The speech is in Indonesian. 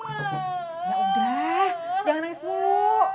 ya udah jangan nangis mulu